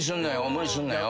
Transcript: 無理すんなよ。